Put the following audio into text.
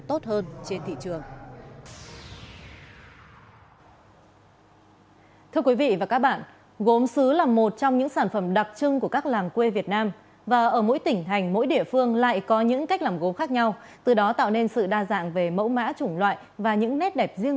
tốt hơn trên thị trường